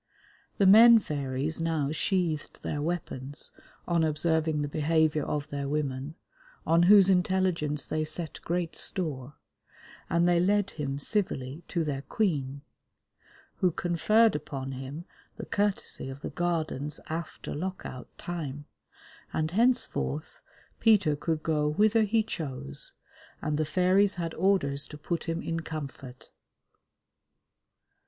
The men fairies now sheathed their weapons on observing the behaviour of their women, on whose intelligence they set great store, and they led him civilly to their queen, who conferred upon him the courtesy of the Gardens after Lock out Time, and henceforth Peter could go whither he chose, and the fairies had orders to put him in comfort.